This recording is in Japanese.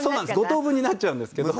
５等分になっちゃうんですけど。